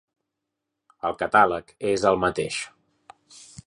El catàleg és el mateix.